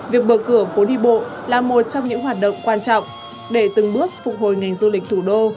việc mở cửa phố đi bộ là một trong những hoạt động quan trọng để từng bước phục hồi ngành du lịch thủ đô